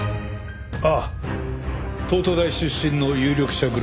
ああ東都大出身の有力者グループだろ？